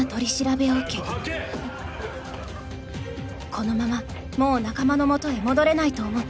［このままもう仲間の元へ戻れないと思った］